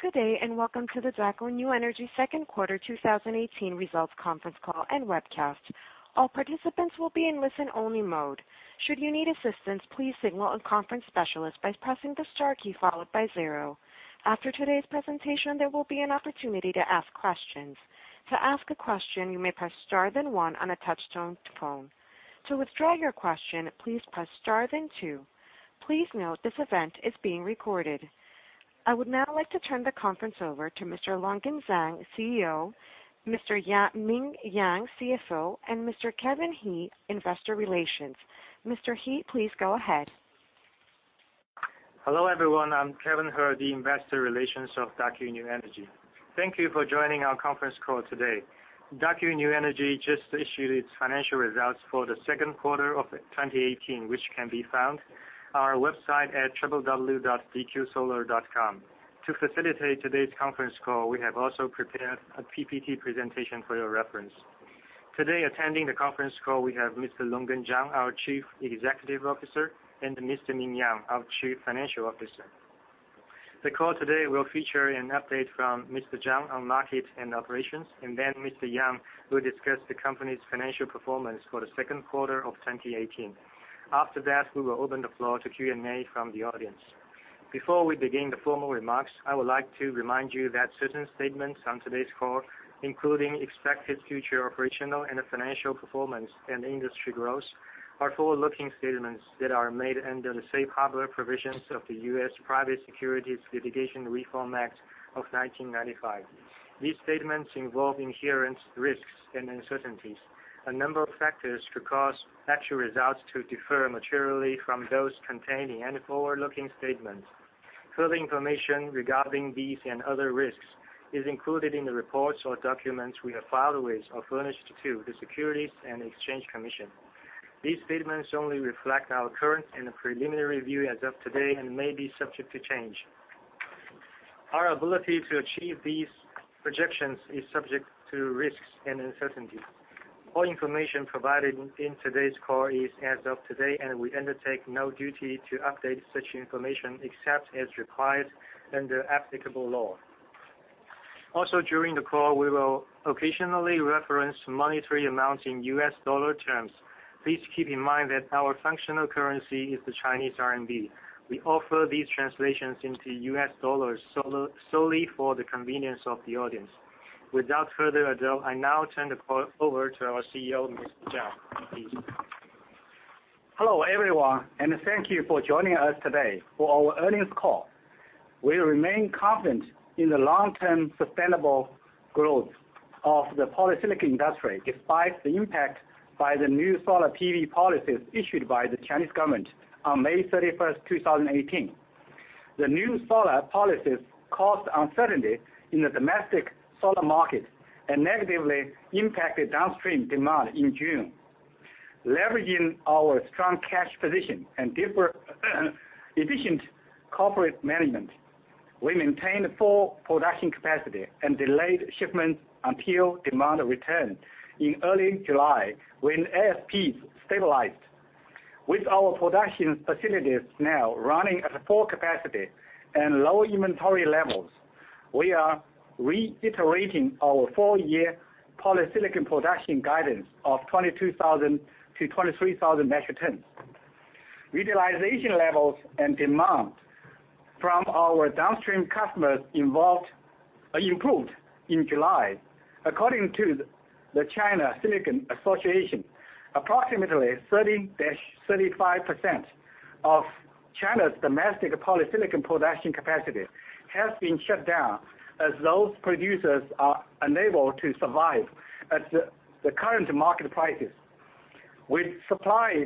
Good day, and welcome to the Daqo New Energy 2nd quarter 2018 results conference call and webcast. I would now like to turn the conference over to Mr. Longgen Zhang, CEO, Mr. Ming Yang, CFO, and Mr. Kevin He, Investor Relations. Mr. He, please go ahead. Hello, everyone. I'm Kevin He, the investor relations of Daqo New Energy. Thank you for joining our conference call today. Daqo New Energy just issued its financial results for the second quarter of 2018, which can be found on our website at www.dqsolar.com. To facilitate today's conference call, we have also prepared a PPT presentation for your reference. Today, attending the conference call we have Mr. Longgen Zhang, our Chief Executive Officer, and Mr. Ming Yang, our Chief Financial Officer. The call today will feature an update from Mr. Zhang on market and operations, and then Mr. Yang will discuss the company's financial performance for the second quarter of 2018. After that, we will open the floor to Q&A from the audience. Before we begin the formal remarks, I would like to remind you that certain statements on today's call, including expected future operational and financial performance and industry growth, are forward-looking statements that are made under the safe harbor provisions of the U.S. Private Securities Litigation Reform Act of 1995. These statements involve inherent risks and uncertainties. A number of factors could cause actual results to differ materially from those contained in any forward-looking statements. Further information regarding these and other risks is included in the reports or documents we have filed with or furnished to the Securities and Exchange Commission. These statements only reflect our current and preliminary view as of today and may be subject to change. Our ability to achieve these projections is subject to risks and uncertainties. All information provided in today's call is as of today, and we undertake no duty to update such information, except as required under applicable law. Also, during the call, we will occasionally reference monetary amounts in US dollar terms. Please keep in mind that our functional currency is the Chinese RMB We offer these translations into US dollars solely for the convenience of the audience. Without further ado, I now turn the call over to our CEO, Mr. Zhang. Please. Hello, everyone, and thank you for joining us today for our earnings call. We remain confident in the long-term sustainable growth of the polysilicon industry despite the impact by the new solar PV policies issued by the Chinese government on May 31, 2018. The new solar policies caused uncertainty in the domestic solar market and negatively impacted downstream demand in June. Leveraging our strong cash position and efficient corporate management, we maintained full production capacity and delayed shipments until demand returned in early July when ASPs stabilized. With our production facilities now running at full capacity and low inventory levels, we are reiterating our full year polysilicon production guidance of 22,000 to 23,000 metric tons. Utilization levels and demand from our downstream customers improved in July. According to the China Silicon Industry Association, approximately 30%-35% of China's domestic polysilicon production capacity has been shut down as those producers are unable to survive at the current market prices. With supply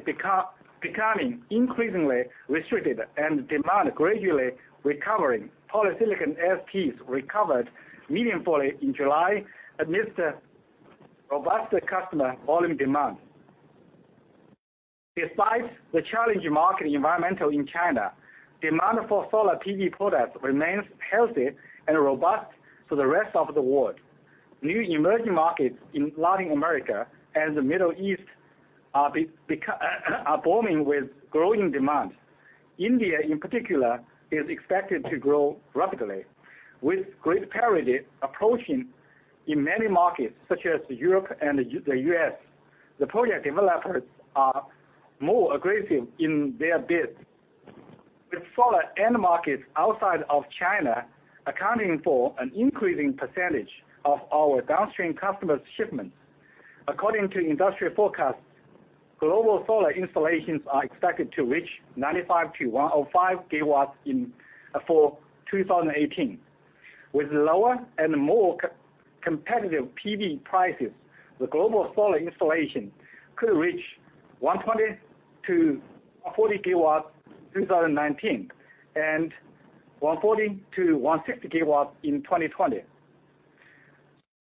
becoming increasingly restricted and demand gradually recovering, polysilicon ASPs recovered meaningfully in July amidst a robust customer volume demand. Despite the challenging market environment in China, demand for solar PV products remains healthy and robust for the rest of the world. New emerging markets in Latin America and the Middle East are booming with growing demand. India, in particular, is expected to grow rapidly. With grid parity approaching in many markets such as Europe and the U.S., the project developers are more aggressive in their bids. With solar end markets outside of China accounting for an increasing percentage of our downstream customers' shipments, according to industry forecasts, global solar installations are expected to reach 95-105 GW for 2018. With lower and more competitive PV prices, the global solar installation could reach 120-140 GW 2019, and 140-160 GW in 2020.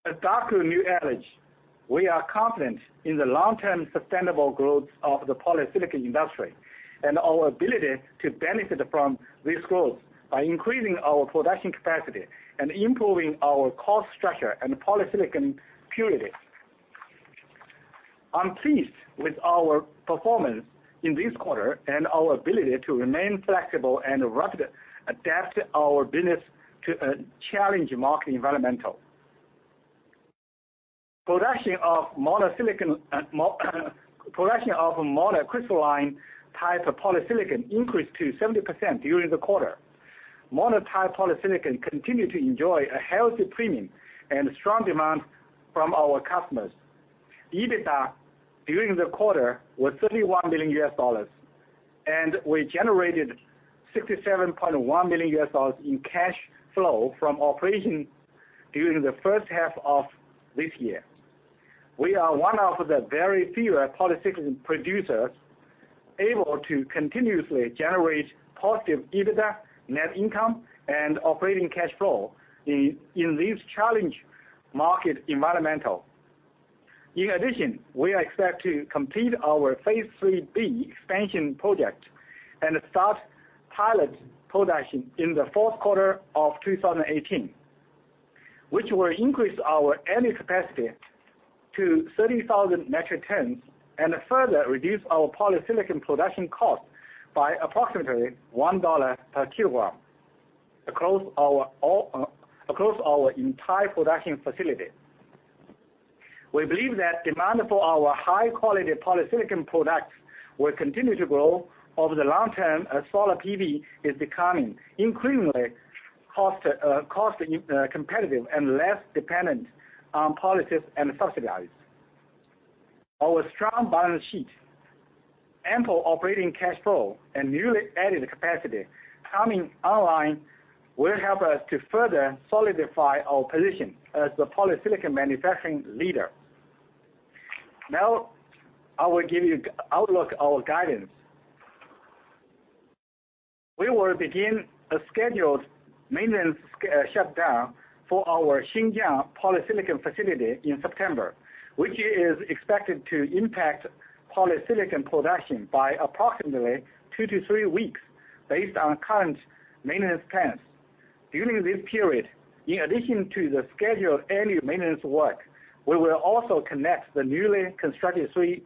At Daqo New Energy, we are confident in the long-term sustainable growth of the polysilicon industry and our ability to benefit from this growth by increasing our production capacity and improving our cost structure and polysilicon purity. I'm pleased with our performance in this quarter and our ability to remain flexible and rapidly adapt our business to a challenging market environment. Production of monocrystalline type of polysilicon increased to 70% during the quarter. Mono-grade polysilicon continued to enjoy a healthy premium and strong demand from our customers. EBITDA during the quarter was $31 million, and we generated $67.1 million in cash flow from operations during the first half of this year. We are one of the very few polysilicon producers able to continuously generate positive EBITDA, net income, and operating cash flow in this challenging market environment. We expect to complete our Phase 3B expansion project and start pilot production in the fourth quarter of 2018, which will increase our annual capacity to 30,000 metric tons and further reduce our polysilicon production cost by approximately $1 per kilogram across our entire production facility. We believe that demand for our high-quality polysilicon products will continue to grow over the long term as solar PV is becoming increasingly cost competitive and less dependent on policies and subsidies. Our strong balance sheet, ample operating cash flow, and newly added capacity coming online will help us to further solidify our position as the polysilicon manufacturing leader. Now, I will give you outlook our guidance. We will begin a scheduled maintenance shutdown for our Xinjiang polysilicon facility in September, which is expected to impact polysilicon production by approximately two to three weeks based on current maintenance plans. During this period, in addition to the scheduled annual maintenance work, we will also connect the newly constructed Phase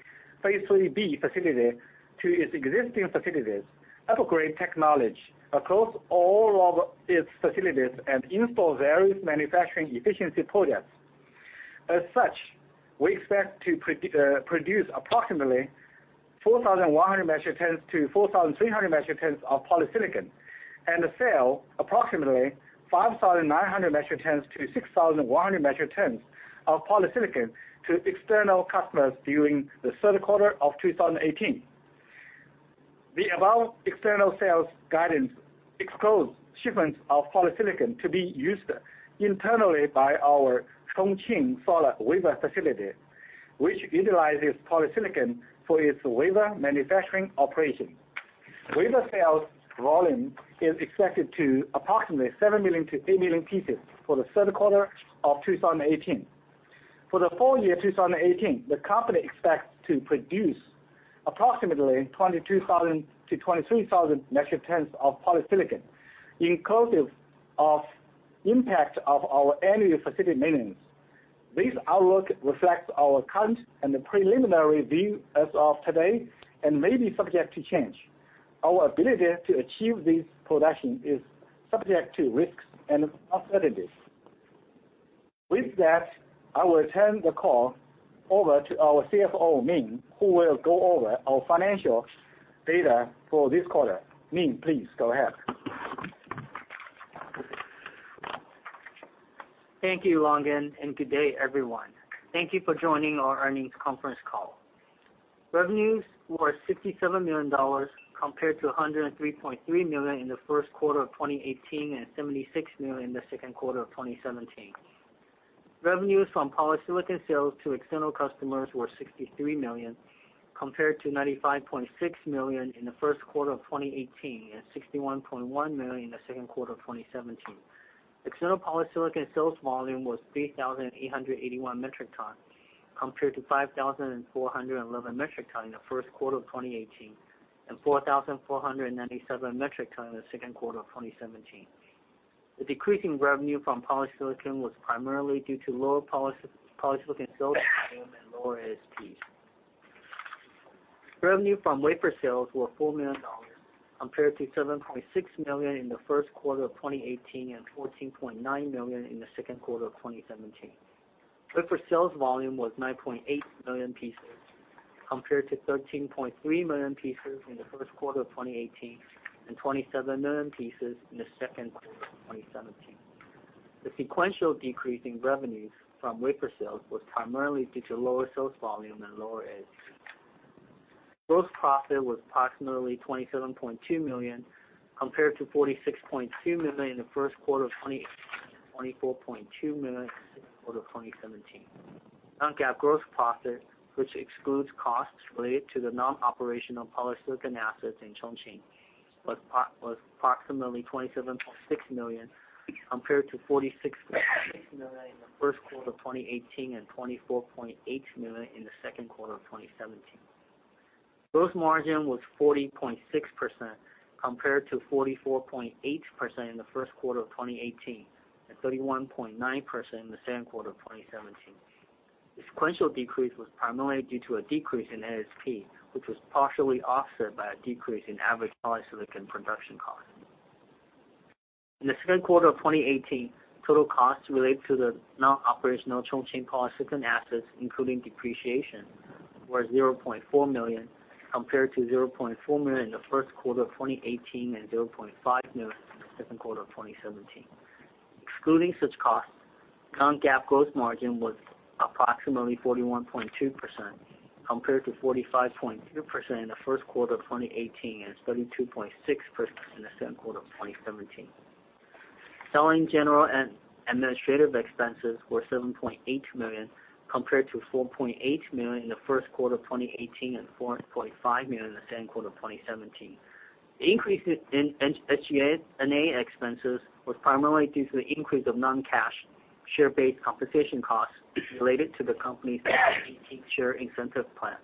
3B facility to its existing facilities, upgrade technology across all of its facilities, and install various manufacturing efficiency projects. As such, we expect to produce approximately 4,100-4,300 metric tons of polysilicon and sell approximately 5,900-6,100 metric tons of polysilicon to external customers during the third quarter of 2018. The above external sales guidance excludes shipments of polysilicon to be used internally by our Chongqing solar wafer facility, which utilizes polysilicon for its wafer manufacturing operation. Wafer sales volume is expected to approximately 7 million-8 million pieces for the third quarter of 2018. For the full year 2018, the company expects to produce approximately 22,000-23,000 metric tons of polysilicon inclusive of impact of our annual facility maintenance. This outlook reflects our current and preliminary view as of today and may be subject to change. Our ability to achieve this production is subject to risks and uncertainties. With that, I will turn the call over to our CFO, Ming, who will go over our financial data for this quarter. Ming, please go ahead. Thank you, Longgen, and good day, everyone. Thank you for joining our earnings conference call. Revenues were $67 million compared to $103.3 million in the first quarter of 2018 and $76 million in the second quarter of 2017. Revenues from polysilicon sales to external customers were $63 million compared to $95.6 million in the first quarter of 2018 and $61.1 million in the second quarter of 2017. External polysilicon sales volume was 3,881 metric tons compared to 5,411 metric tons in the first quarter of 2018 and 4,497 metric tons in the second quarter of 2017. The decrease in revenue from polysilicon was primarily due to lower polysilicon sales volume and lower ASPs. Revenue from wafer sales were $4 million compared to $7.6 million in the first quarter of 2018 and $14.9 million in the second quarter of 2017. Wafer sales volume was 9.8 million pieces compared to 13.3 million pieces in the first quarter of 2018 and 27 million pieces in the second quarter of 2017. The sequential decrease in revenues from wafer sales was primarily due to lower sales volume and lower ASP. Gross profit was approximately $27.2 million compared to $46.2 million in the first quarter of 2018 and $24.2 million in the second quarter of 2017. Non-GAAP gross profit, which excludes costs related to the non-operational polysilicon assets in Chongqing, was approximately 27.6 million compared to 46.8 million in the first quarter of 2018 and 24.8 million in the second quarter of 2017. Gross margin was 40.6% compared to 44.8% in the first quarter of 2018 and 31.9% in the second quarter of 2017. The sequential decrease was primarily due to a decrease in ASP, which was partially offset by a decrease in average polysilicon production costs. In the second quarter of 2018, total costs related to the non-operational Chongqing polysilicon assets, including depreciation, were 0.4 million, compared to 0.4 million in the first quarter of 2018 and 0.5 million in the second quarter of 2017. Excluding such costs, non-GAAP gross margin was approximately 41.2% compared to 45.2% in the first quarter of 2018 and 32.6% in the second quarter of 2017. Selling, general and administrative expenses were 7.8 million, compared to 4.8 million in the first quarter of 2018 and 4.5 million in the second quarter of 2017. The increase in SG&A expenses was primarily due to the increase of non-cash share-based compensation costs related to the company's share incentive plan,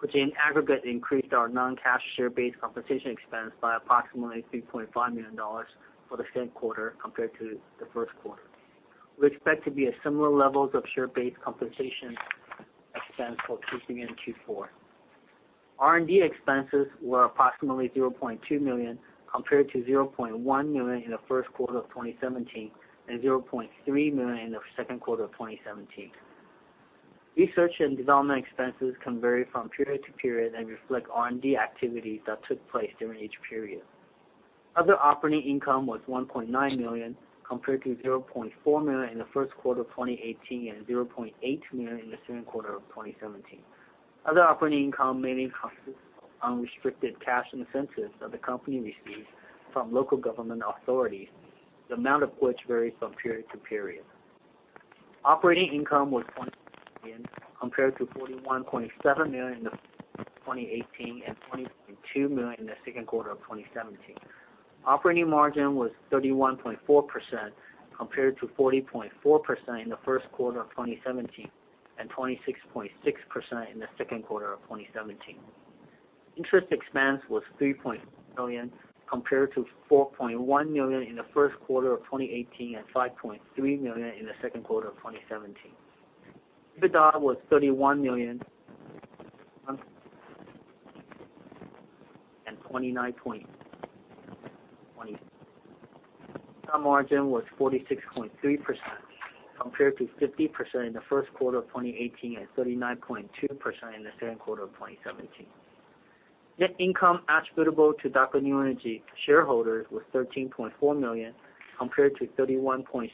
which in aggregate increased our non-cash share-based compensation expense by approximately $3.5 million for the second quarter compared to the first quarter. We expect to be at similar levels of share-based compensation expense for Q3 and Q4. R&D expenses were approximately 0.2 million, compared to 0.1 million in the first quarter of 2017 and 0.3 million in the second quarter of 2017. Research and development expenses can vary from period to period and reflect R&D activities that took place during each period. Other operating income was 1.9 million, compared to 0.4 million in the first quarter of 2018 and 0.8 million in the second quarter of 2017. Other operating income mainly consists of unrestricted cash incentives that the company receives from local government authorities, the amount of which varies from period to period. Operating income was compared to 41.7 million in the 2018 and [20.2] million in the second quarter of 2017. Operating margin was 31.4% compared to 40.4% in the first quarter of 2017 and 26.6% in the second quarter of 2017. Interest expense was 3 point million compared to 4.1 million in the first quarter of 2018 and 5.3 million in the second quarter of 2017. EBITDA was 31 million and 29 point. Margin was 46.3% compared to 50% in the first quarter of 2018 and 39.2% in the second quarter of 2017. Net income attributable to Daqo New Energy shareholders was 13.4 million compared to 31.6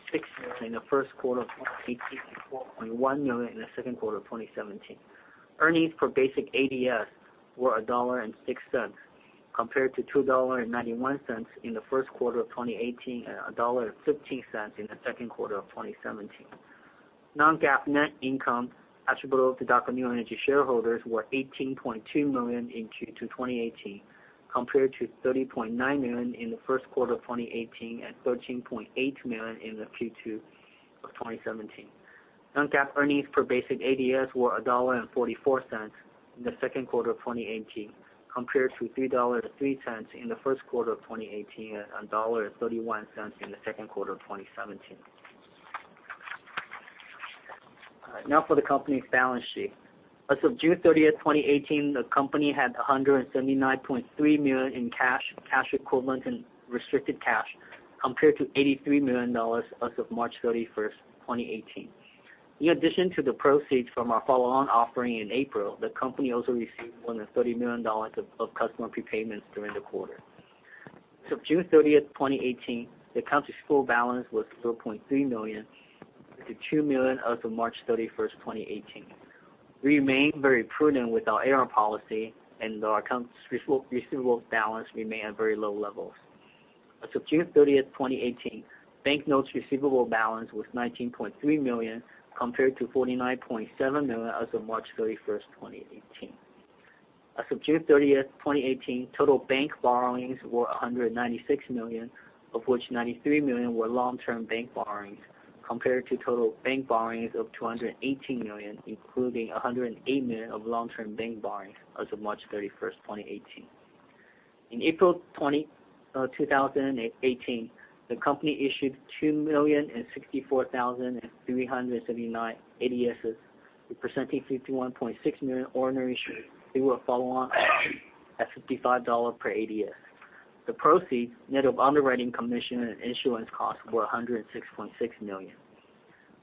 million in the first quarter of 2018 and 4.1 million in the second quarter of 2017. Earnings per basic ADS were $1.06 compared to $2.91 in the first quarter of 2018 and $1.15 in the second quarter of 2017. Non-GAAP net income attributable to Daqo New Energy shareholders were $18.2 million in Q2 2018 compared to $30.9 million in the first quarter of 2018 and $13.8 million in the Q2 of 2017. Non-GAAP earnings per basic ADS were $1.44 in the second quarter of 2018 compared to $3.03 in the first quarter of 2018 and $1.31 in the second quarter of 2017. Now for the company's balance sheet. As of June 30, 2018, the company had 179.3 million in cash equivalent, and restricted cash compared to RMB 83 million as of March 31, 2018. In addition to the proceeds from our follow-on offering in April, the company also received more than RMB 30 million of customer prepayments during the quarter. As of June 30, 2018, the accounts receivable balance was 0.3 million compared to 2 million as of March 31, 2018. We remain very prudent with our AR policy and our accounts receivable balance remain at very low levels. As of June 30, 2018, bank notes receivable balance was 19.3 million compared to 49.7 million as of March 31, 2018. As of June 30, 2018, total bank borrowings were 196 million, of which 93 million were long-term bank borrowings, compared to total bank borrowings of 218 million, including 108 million of long-term bank borrowings as of March 31, 2018. In April 2018, the company issued 2,064,379 ADSs, representing 51.6 million ordinary shares through a follow-on at $55 per ADS. The proceeds, net of underwriting commission and issuance costs, were $106.6 million.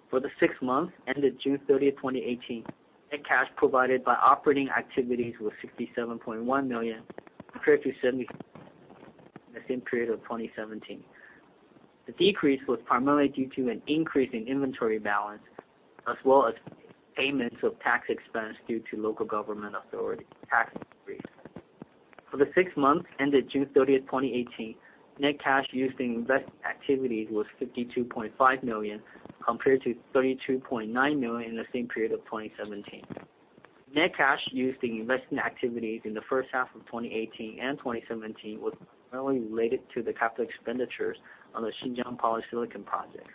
For the six months ended June 30, 2018, net cash provided by operating activities was 67.1 million compared to 70 million the same period of 2017. The decrease was primarily due to an increase in inventory balance as well as payments of tax expense due to local government authority tax increase. For the six months ended June 30, 2018, net cash used in investing activities was 52.5 million compared to 32.9 million in the same period of 2017. Net cash used in investing activities in the first half of 2018 and 2017 was primarily related to the capital expenditures on the Xinjiang polysilicon project.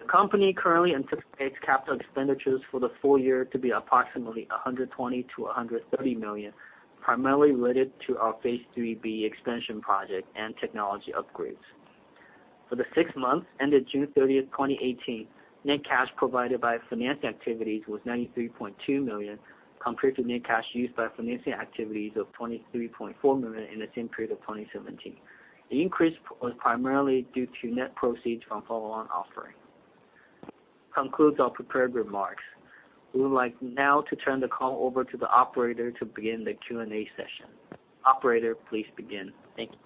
The company currently anticipates capital expenditures for the full year to be approximately 120 million-130 million, primarily related to our Phase 3B expansion project and technology upgrades. For the six months ended June 30, 2018, net cash provided by finance activities was 93.2 million, compared to net cash used by financing activities of 23.4 million in the same period of 2017. The increase was primarily due to net proceeds from follow-on offering. This concludes our prepared remarks. We would like now to turn the call over to the operator to begin the Q&A session. Operator, please begin. Thank you.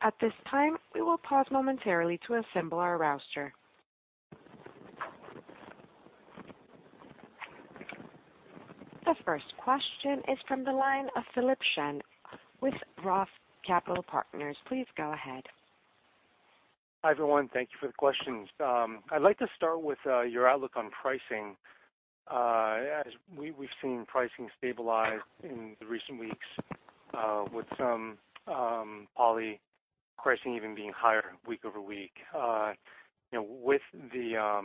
The first question is from the line of Philip Shen with Roth Capital Partners. Please go ahead. Hi, everyone. Thank you for the questions. I'd like to start with your outlook on pricing. As we've seen pricing stabilize in the recent weeks, with some poly pricing even being higher week over week. You know, with the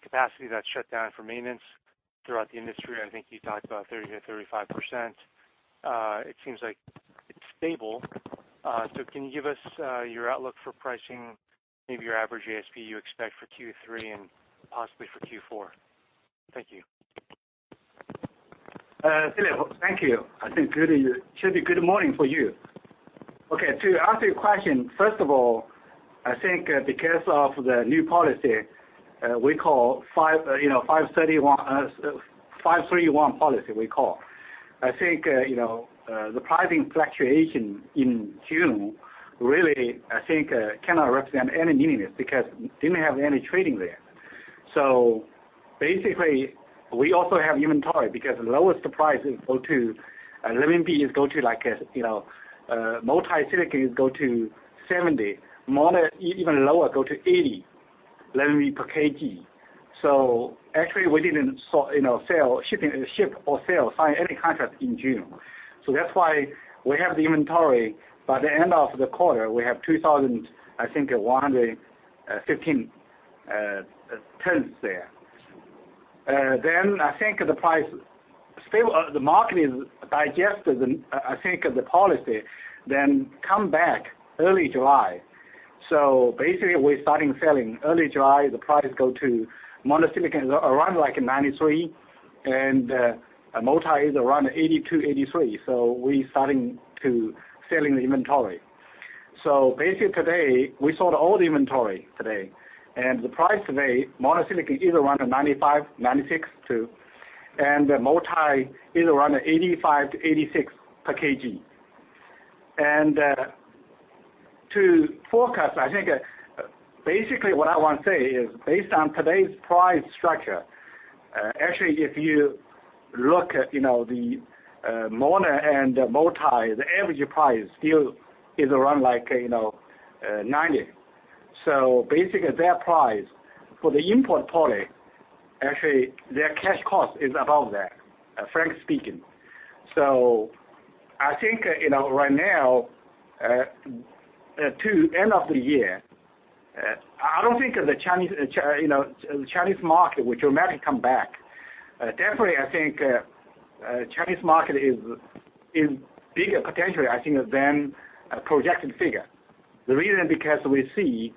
capacity that shut down for maintenance throughout the industry, I think you talked about 30%-35%, it seems like it's stable. Can you give us your outlook for pricing, maybe your average ASP you expect for Q3 and possibly for Q4? Thank you. Philip, thank you. I think good, it should be good morning for you. Okay, to answer your question, first of all, I think, because of the new policy, we call five, you know, five three one policy we call. I think, you know, the pricing fluctuation in June really, I think, cannot represent any meaning because didn't have any trading there. Basically, we also have inventory because lower prices go to, renminbi go to like, you know, multi-silicon go to 70, mono even lower go to 80 per kg. Actually we didn't, you know, sell, ship or sign any contract in June. That's why we have the inventory. By the end of the quarter, we have 2,115 tons there. I think the price, the market is digested and I think of the policy then come back early July. We're starting selling early July. The price go to mono-silicon around like 93 and multi is around 82, 83. We starting to selling the inventory. Today, we sold all the inventory today, the price today, mono-silicon is around RMB 95, 96 too, the multi is around 85-86 per kg. To forecast, I think, basically what I want to say is based on today's price structure, actually, if you look at, you know, the mono and the multi, the average price still is around like, you know, 90. That price for the import poly, actually their cash cost is above that, frank speaking. I think, you know, right now, to end of the year, I don't think the Chinese, you know, the Chinese market will dramatically come back. Definitely I think, Chinese market is bigger potentially, I think then a projected figure. The reason because we see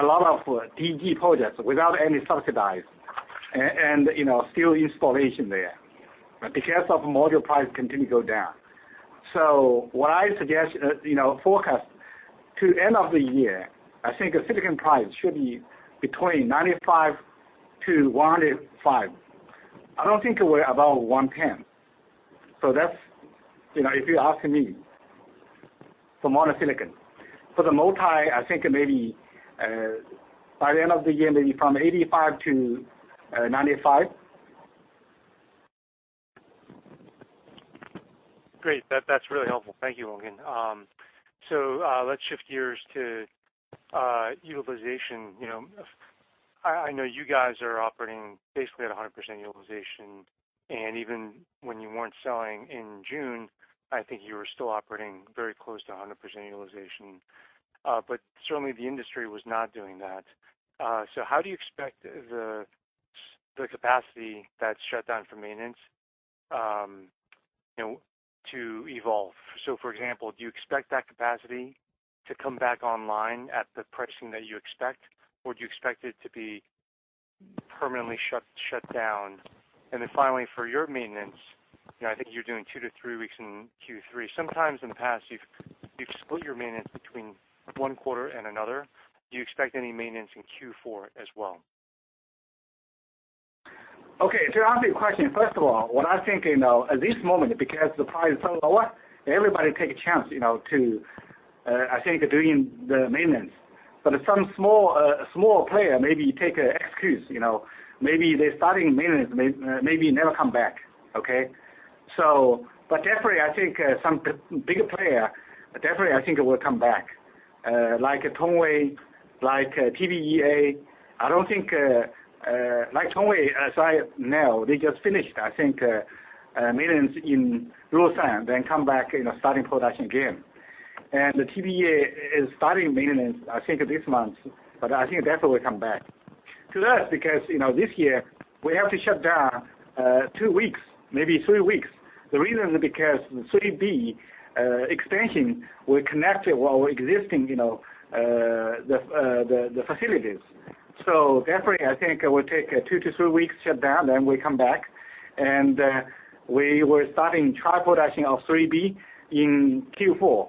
a lot of DG projects without any subsidized and, you know, still installation there because of module price continue to go down. What I suggest, you know, forecast to end of the year, I think the silicon price should be between 95-105. I don't think we're above 110. That's, you know, if you ask me for mono-silicon. For the multi, I think maybe, by the end of the year, maybe from 85-95. Great. That's really helpful. Thank you, Longgen. Let's shift gears to utilization. You know, I know you guys are operating basically at a 100% utilization, and even when you weren't selling in June, I think you were still operating very close to a 100% utilization. Certainly the industry was not doing that. How do you expect the capacity that's shut down for maintenance, you know, to evolve? For example, do you expect that capacity to come back online at the pricing that you expect, or do you expect it to be permanently shut down? Finally, for your maintenance, you know, I think you're doing two to three weeks in Q3. Sometimes in the past you've split your maintenance between one quarter and another. Do you expect any maintenance in Q4 as well? Okay. To answer your question, first of all, what I think, you know, at this moment, because the price is so lower, everybody take a chance, you know, to I think doing the maintenance. Some small player maybe take an excuse, you know. Maybe they're starting maintenance maybe never come back. Okay. Definitely I think some bigger player, definitely I think it will come back. Like Tongwei, like TBEA. I don't think. Like Tongwei, as I know, they just finished, I think, maintenance in Leshan, then come back, you know, starting production again. The TBEA is starting maintenance, I think, this month, but I think definitely come back. To us, because, you know, this year we have to shut down two weeks, maybe three weeks. The reason is because 3B expansion will connect to our existing, you know, facilities. Definitely I think it will take two to three weeks shut down, then we come back. We were starting trial production of 3B in Q4.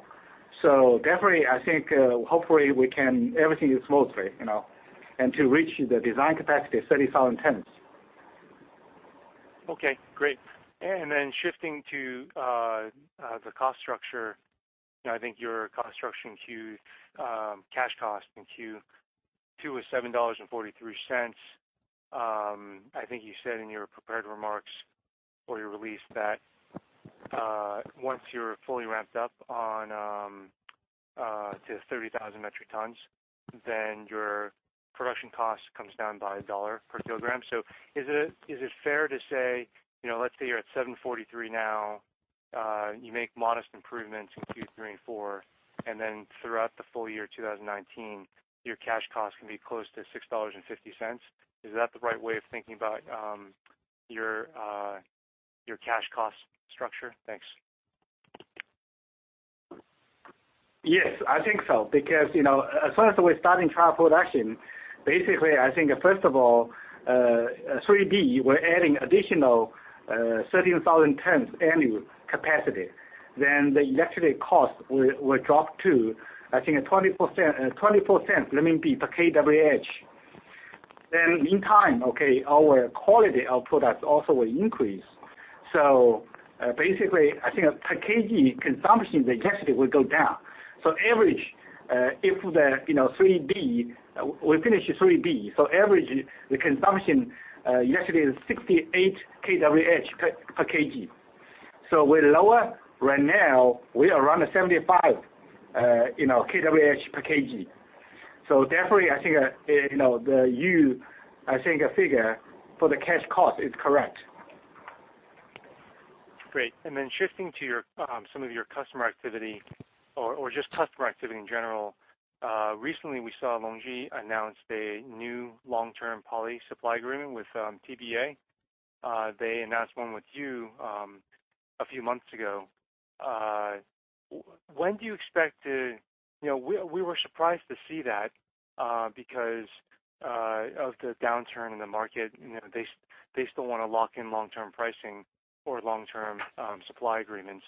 Definitely I think, hopefully everything is smoothly, you know, to reach the design capacity of 30,000 tons. Okay, great. Shifting to the cost structure. You know, I think your construction cash cost in Q2 was $7.43. I think you said in your prepared remarks or your release that once you're fully ramped up on to 30,000 metric tons, your production cost comes down by $1 per kg. Is it fair to say, you know, let's say you're at $7.43 now, you make modest improvements in Q3 and Q4, throughout the full year 2019, your cash cost can be close to $6.50? Is that the right way of thinking about your cash cost structure? Thanks. I think so. You know, as soon as we're starting trial production, basically, I think first of all, 3B, we're adding additional 13,000 tons annual capacity. The electricity cost will drop to, I think, 20%, 0.24 per kWh. In time, okay, our quality of products also will increase. Basically, I think per kg consumption electricity will go down. Average, if the, you know, 3B, we finish 3B, average the consumption electricity is 68 kWh per kg. We're lower right now. We are around 75 kWh per kg. Definitely I think, you know, the I think figure for the cash cost is correct. Great. Shifting to your some of your customer activity or just customer activity in general. Recently we saw LONGi announce a new long-term poly supply agreement with TBEA. They announced one with you a few months ago. You know, we were surprised to see that because of the downturn in the market, you know, they still wanna lock in long-term pricing or long-term supply agreements.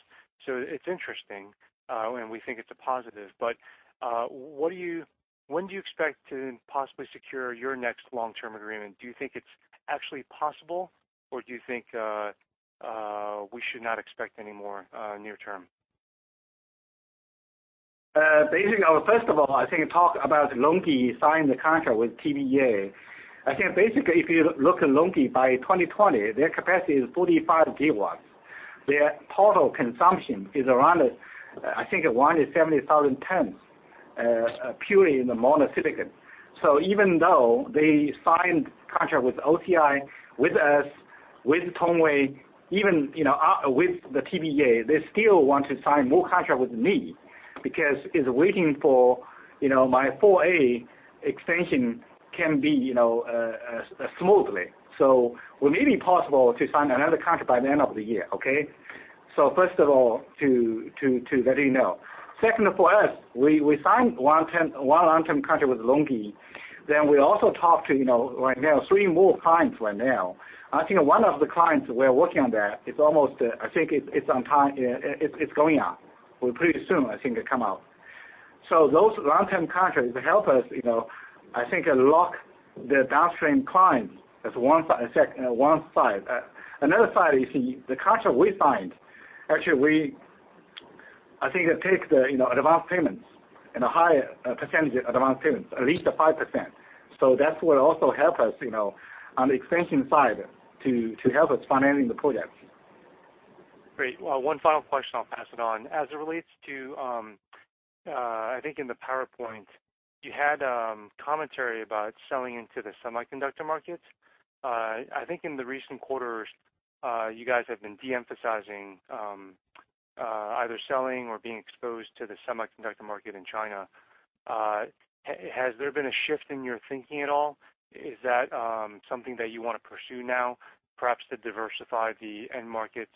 It's interesting and we think it's a positive. When do you expect to possibly secure your next long-term agreement? Do you think it's actually possible, or do you think we should not expect any more near term? Basically, first of all, I think talk about LONGi signed the contract with TBEA. I think basically if you look at LONGi, by 2020 their capacity is 45 GW. Their total consumption is around, I think around 70,000 tons, purely in the monocrystalline. Even though they signed contract with OCI, with us, with Tongwei, even, you know, with the TBEA, they still want to sign more contract with me because is waiting for, you know, my 4A extension can be, you know, smoothly. Will maybe possible to sign another contract by the end of the year. Okay? First of all, to let you know. Second, for us, we signed one 10- one long-term contract with LONGi, then we also talk to, you know, right now 3 more clients right now. I think one of the clients we are working on there is almost, it's on time, it's going on. Will pretty soon come out. Those long-term contracts help us, you know, lock the downstream clients. That's one side. Another side is the contract we signed, actually we takes the, you know, advance payments and a higher percentage advance payments, at least 5%. That's what also help us, you know, on the expansion side to help us financing the projects. Great. Well, one final question, I'll pass it on. As it relates to, I think in the PowerPoint you had commentary about selling into the semiconductor markets. I think in the recent quarters, you guys have been de-emphasizing either selling or being exposed to the semiconductor market in China. Has there been a shift in your thinking at all? Is that something that you wanna pursue now, perhaps to diversify the end markets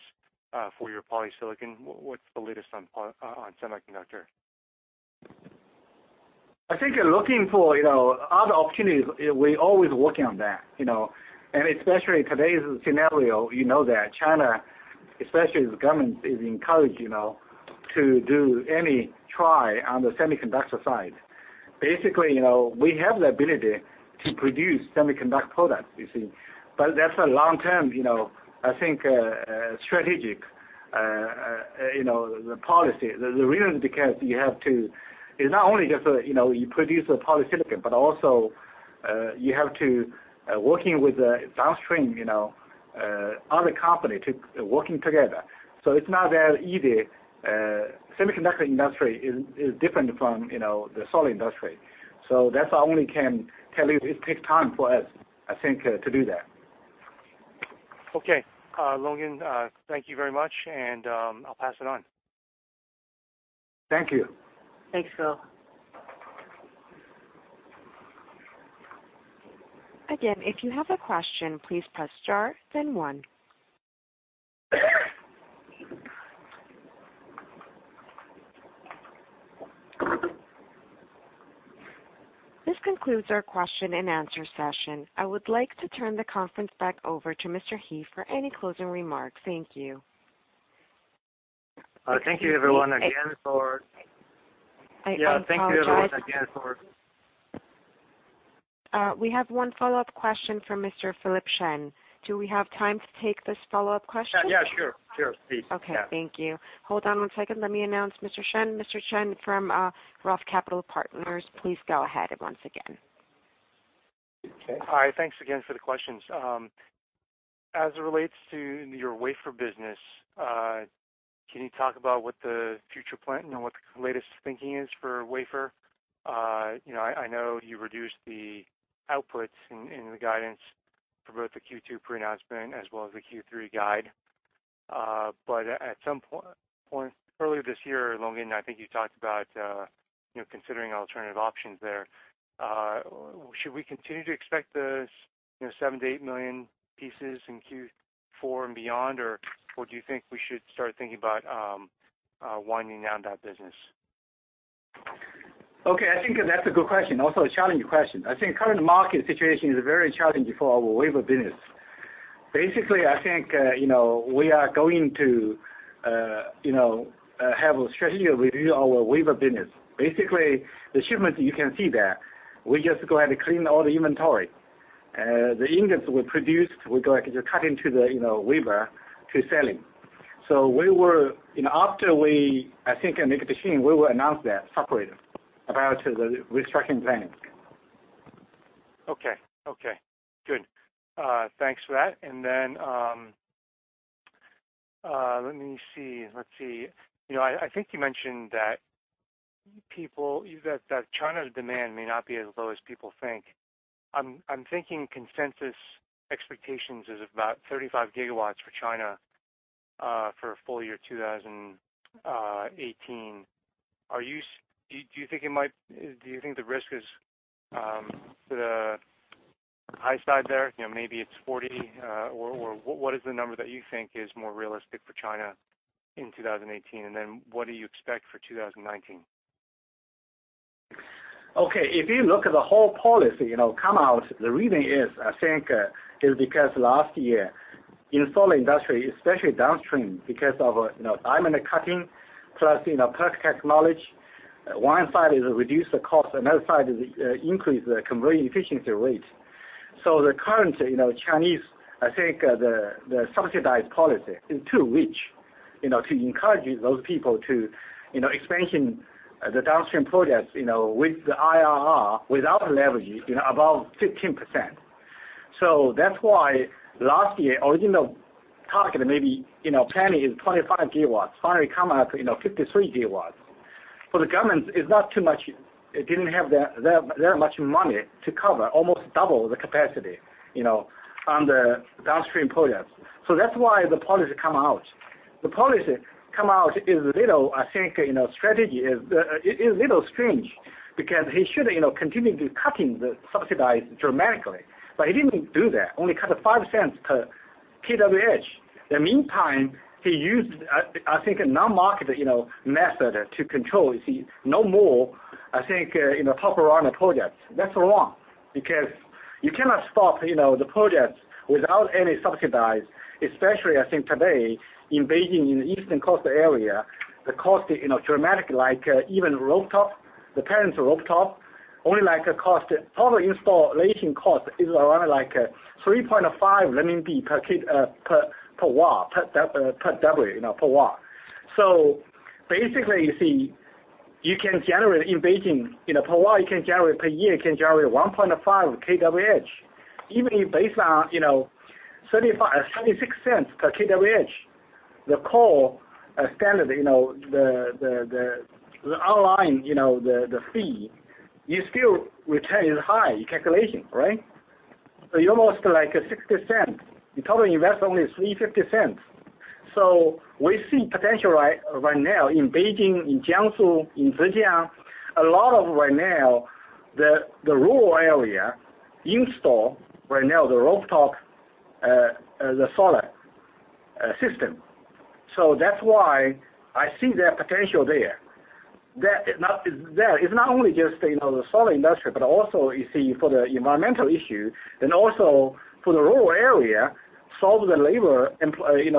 for your polysilicon? What's the latest on semiconductor? I think looking for, you know, other opportunities, we always working on that, you know. Especially today's scenario, you know that China, especially the government, is encouraged, you know, to do any try on the semiconductor side. Basically, you know, we have the ability to produce semiconductor products, you see. That's a long-term, you know, I think, strategic, you know, the policy. The reason because it's not only just, you know, you produce a polysilicon, but also, you have to, working with the downstream, you know, other company to working together. It's not that easy. Semiconductor industry is different from, you know, the solar industry. That's all we can tell you. It takes time for us, I think, to do that. Okay. Longgen, thank you very much, and I'll pass it on. Thank you. Thanks, Phil. Again, if you have a question, please press star then one. This concludes our question-and-answer session. I would like to turn the conference back over to Mr. He for any closing remarks. Thank you. Thank you everyone again. I apologize. Yeah. Thank you everyone again. We have one follow-up question from Mr. Philip Shen. Do we have time to take this follow-up question? Yeah, sure. Sure. Please. Yeah. Okay. Thank you. Hold on one second. Let me announce Mr. Shen. Mr. Shen from Roth Capital Partners, please go ahead once again. Okay. Hi. Thanks again for the questions. As it relates to your wafer business, can you talk about what the future plan and what the latest thinking is for wafer? You know, I know you reduced the outputs in the guidance for both the Q2 pre-announcement as well as the Q3 guide. At some point earlier this year, Longgen, I think you talked about, you know, considering alternative options there. Should we continue to expect this, you know, 7 million-8 million pieces in Q4 and beyond? Or do you think we should start thinking about winding down that business? Okay. I think that's a good question, also a challenging question. I think current market situation is very challenging for our wafer business. Basically, I think, you know, we are going to, you know, have a strategic review our wafer business. Basically, the shipments you can see there. We just go ahead and clean all the inventory. The ingots we produced, we go ahead and cut into the, you know, wafer to selling. We will, you know, after we I think in the next meeting, we will announce that separately about the restructuring plans. Okay. Okay. Good. Thanks for that. Let me see. Let's see. You know, I think you mentioned that you said that China's demand may not be as low as people think. I'm thinking consensus expectations is about 35 GW for China for full year 2018. Do you think the risk is to the high side there? You know, maybe it's 40. What is the number that you think is more realistic for China in 2018? What do you expect for 2019? Okay. If you look at the whole policy, you know, come out, the reason is, I think, is because last year in solar industry, especially downstream, because of, you know, diamond cutting, plus, you know, PERC technology, one side is reduce the cost, another side is increase the conversion efficiency rate. The current, you know, Chinese, I think, the subsidized policy is too rich, you know, to encourage those people to, you know, expansion the downstream projects, you know, with the IRR, without leveraging, you know, above 15%. That's why last year, original target maybe, you know, planning is 25 GW, finally come out, you know, 53 GW. For the government, it's not too much. It didn't have that much money to cover almost double the capacity, you know, on the downstream projects. That's why the policy come out. The policy come out is a little, I think, you know, strategy is a little strange because he should, you know, continue to cutting the subsidized dramatically, but he didn't do that, only cut the 0.05 per kWh. The meantime, he used, I think, a non-market, you know, method to control. You see no more, I think, you know, Top Runner projects. That's wrong because you cannot stop, you know, the projects without any subsidized, especially I think today in Beijing, in the eastern coastal area, the cost is, you know, dramatic like, even rooftop, the panels rooftop only Total installation cost is around like 3.5 RMB per watt, per watt, you know, per watt. You can generate in Beijing per watt you can generate per year, you can generate 1.5 kWh. Even if based on 0.36 per kWh, the core standard, the online fee, you still return is high calculation, right? You're almost like a 0.60. You probably invest only 3.50. We see potential right now in Beijing, in Jiangsu, in Zhejiang. A lot of right now the rural area install right now the rooftop solar system. That's why I see there are potential there. It's not only just, you know, the solar industry, but also you see for the environmental issue, also for the rural area solve the labor employment.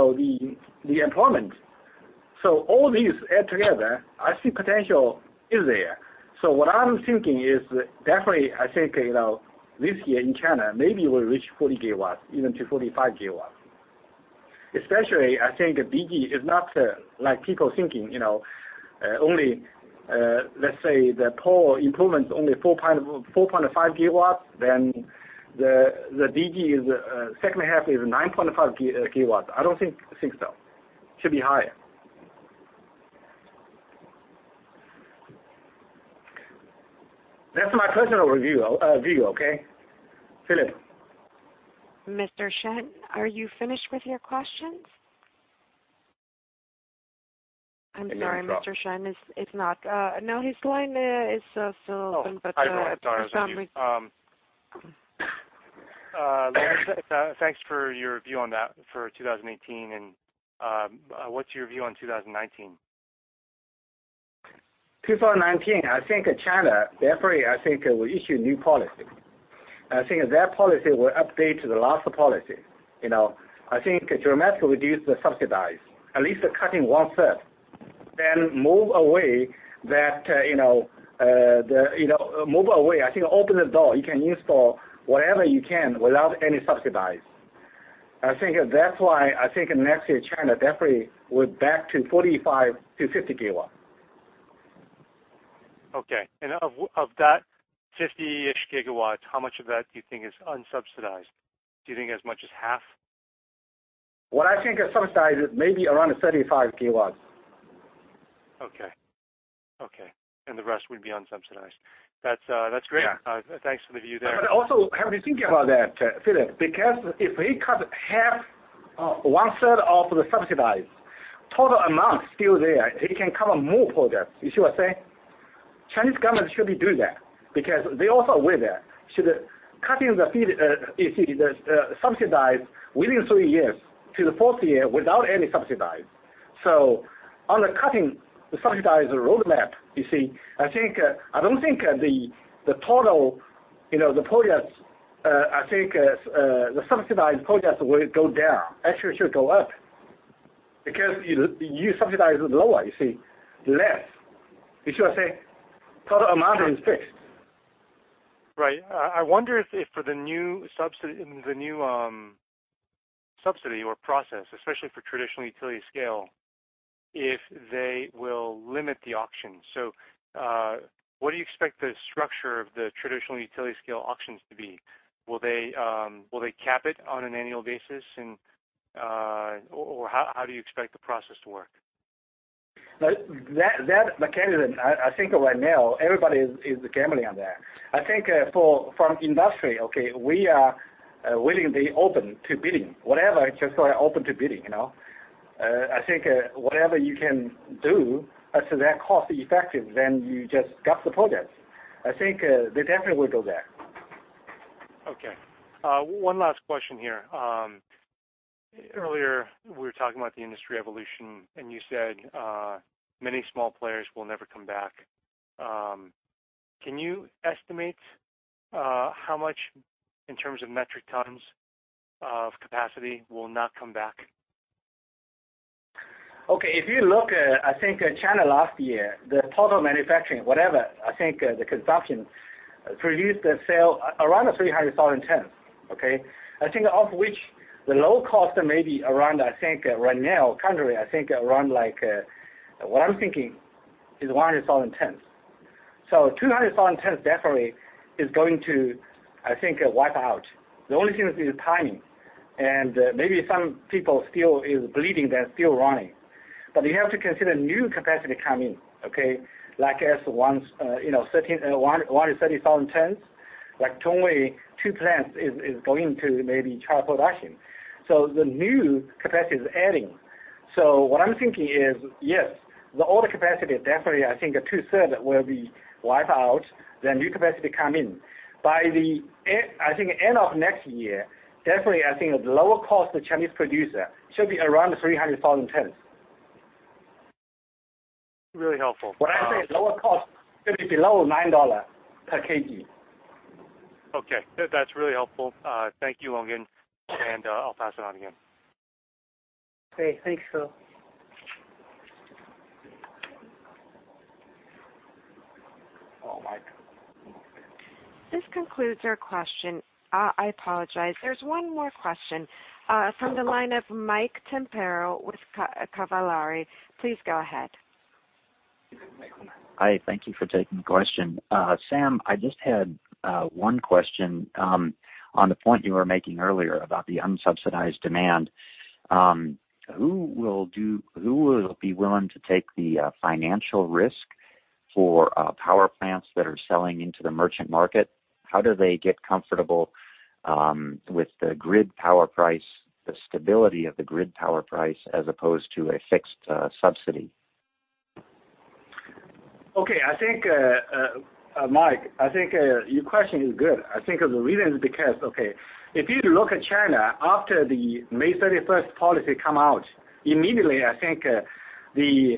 All these add together, I see potential is there. What I'm thinking is definitely I think, you know, this year in China, maybe we'll reach 40 GW, even to 45 GW. Especially I think DG is not like people thinking, you know, only let's say the power improvements only 4.5 GW, the DG is second half is 9.5 GW. I don't think so. Should be higher. That's my personal view, okay? Philip. Mr. Shen, are you finished with your questions? I'm sorry, Mr. Shen is not, no, his line is still open, but. Hi, everyone. Sorry to interrupt you. Thanks for your view on that for 2018 and what's your view on 2019? 2019, I think China, definitely they will issue new policy. I think that policy will update to the last policy. You know, I think dramatically reduce the subsidies, at least cutting one third, then move away that, you know, move away. I think open the door. You can install whatever you can without any subsidies. I think that's why next year China definitely will back to 45 GW-50 GW. Okay. Of that 50-ish GW, how much of that do you think is unsubsidized? Do you think as much as half? What I think subsidized is maybe around 35 GW. Okay. Okay. The rest would be unsubsidized. That's great. Yeah. Thanks for the view there. Also have you think about that, Philip, because if we cut one third of the subsidies, total amount still there, it can cover more projects. You see what I'm saying? Chinese government should be doing that because they also aware that. Should, cutting the subsidies within three years to the fourth year without any subsidies. On the cutting the subsidies roadmap, I don't think the total, you know, the projects, the subsidized projects will go down. Actually, it should go up. Because you subsidize lower, less. You see what I'm saying? Total amount is fixed. Right. I wonder if for the new subsidy or process, especially for traditional utility scale, if they will limit the auction. What do you expect the structure of the traditional utility scale auctions to be? Will they cap it on an annual basis Or how do you expect the process to work? That mechanism, I think right now everybody is gambling on that. I think, for industry, okay, we are willing to be open to bidding. Whatever, just we're open to bidding, you know. I think, whatever you can do as to that cost effective, then you just got the projects. I think, they definitely will go there. Okay. One last question here. Earlier we were talking about the industry evolution, and you said, many small players will never come back. Can you estimate, how much in terms of metric tons of capacity will not come back? Okay. If you look at, I think, China last year, the total manufacturing, whatever, I think, the consumption produced the sale around 300,000 tons. I think of which the low cost may be around, I think right now, currently, I think around like, what I'm thinking is 100,000 tons. 200,000 tons definitely is going to, I think, wipe out. The only thing is the timing. Maybe some people still is bleeding. They're still running. You have to consider new capacity come in. Like those ones, you know, 130,000 tons, like Tongwei, two plants is going to maybe triple production. The new capacity is adding. What I'm thinking is, yes, the older capacity definitely I think two-third will be wipe out, then new capacity come in. By the end, I think end of next year, definitely I think the lower cost of Chinese producer should be around 300,000 tons. Really helpful. When I say lower cost, it'll be below $9 per kg. Okay. That's really helpful. Thank you, Longgen. I'll pass it on again. Okay. Thanks, Phil. Oh, Mike. This concludes our question. I apologize. There's one more question from the line of Mike Tempero with [Cavalry Asset Management]. Please go ahead. Hi. Thank you for taking the question. Zhang, I just had one question on the point you were making earlier about the unsubsidized demand. Who will be willing to take the financial risk for power plants that are selling into the merchant market? How do they get comfortable with the grid power price, the stability of the grid power price as opposed to a fixed subsidy? Okay. I think, Mike, I think your question is good. I think the reason is because, if you look at China, after the 531 Policy come out, immediately I think the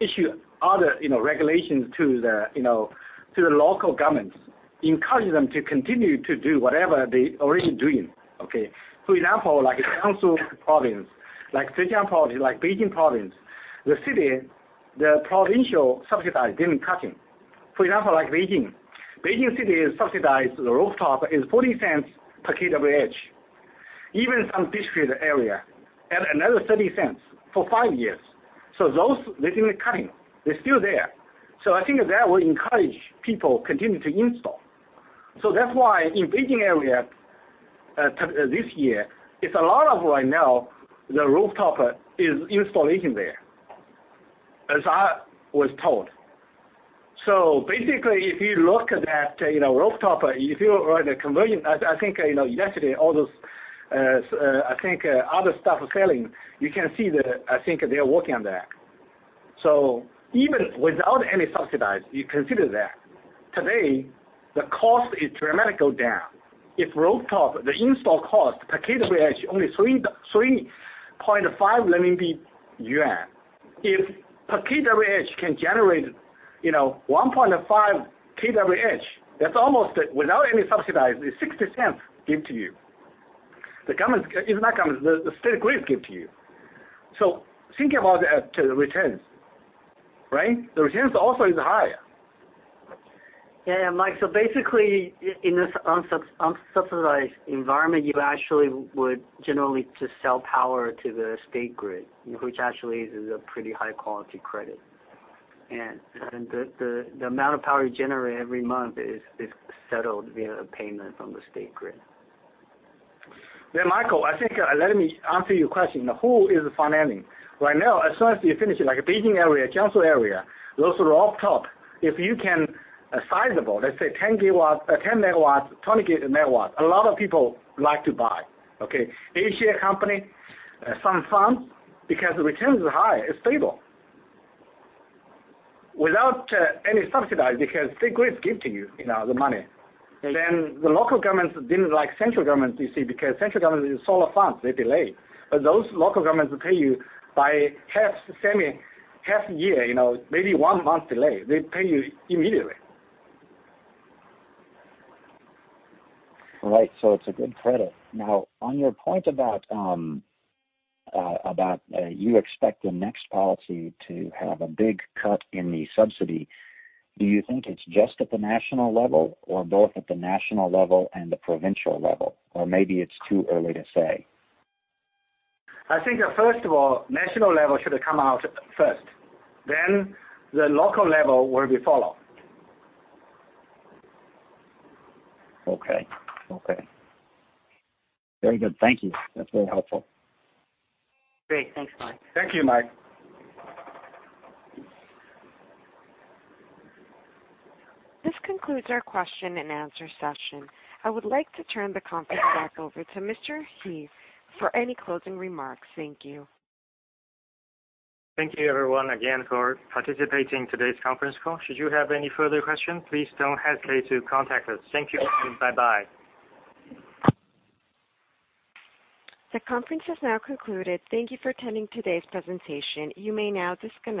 issue other, you know, regulations to the, you know, to the local governments. Encourage them to continue to do whatever they already doing. Okay. For example, like Jiangsu province, like Zhejiang province, like Beijing province, the city, the provincial subsidized didn't cutting. For example, like Beijing. Beijing city is subsidized the rooftop is 0.40 per kWh. Even some district area add another 0.30 for five years. Those they didn't cutting. They're still there. I think that will encourage people continue to install. That's why in Beijing area, this year, it's a lot of right now the rooftop, is installation there, as I was told. Basically, if you look at that, you know, rooftop, if you are the conversion, I think, you know, yesterday, all those, other stuff selling, you can see that I think they are working on that. Even without any subsidized, you consider that. Today, the cost is dramatically down. If rooftop, the install cost per kWh only 3.5 renminbi. If per kWh can generate, you know, 1.5 kWh, that's almost, without any subsidized, is 0.60 give to you. The government, it's not government, the State Grid give to you. Think about the returns, right? The returns also is high. Yeah. Mike, basically in this unsubsidized environment, you actually would generally just sell power to the State Grid, which actually is a pretty high-quality credit. The amount of power you generate every month is settled via a payment from the State Grid. Yeah, Mike, I think, let me answer your question. Who is financing? Right now, as soon as you finish, like Beijing, Jiangsu, those rooftop, if you can, sizable, let's say 10 MW, 20 MW, a lot of people like to buy, okay? A-share company, some firms, because the returns are high and stable. Without any subsidized, because State Grid give to you know, the money. The local governments didn't like central government, you see, because central government is solar funds, they delay. Those local governments will pay you by half, semi, half year, you know, maybe one month delay. They pay you immediately. Right. It's a good credit. On your point about you expect the next policy to have a big cut in the subsidy, do you think it's just at the national level or both at the national level and the provincial level? Maybe it's too early to say. I think, first of all, national level should come out first, then the local level will be followed. Okay. Okay. Very good. Thank you. That's very helpful. Great. Thanks, Mike. Thank you, Mike. This concludes our question and answer session. I would like to turn the conference back over to Mr. He for any closing remarks. Thank you. Thank you everyone again for participating in today's conference call. Should you have any further questions, please don't hesitate to contact us. Thank you. Bye-bye. The conference is now concluded. Thank you for attending today's presentation. You may now disconnect.